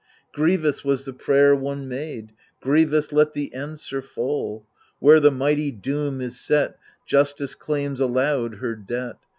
Grievous was the prayer one made — Grievous let the answer fail 1 Where the mighty doom is set, Justice claims aloud her debt.